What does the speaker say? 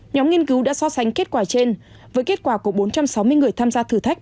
nhóm nghiên cứu đã so sánh kết quả trên với kết quả của bốn trăm sáu mươi người tham gia thử thách